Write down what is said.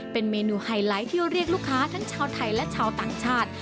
เป็นเมนูไฮไลท์ที่เรียกลูกค้าทั้งชาวไทยและชาวต่างชาติ